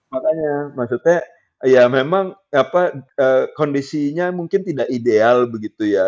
makanya maksudnya ya memang kondisinya mungkin tidak ideal begitu ya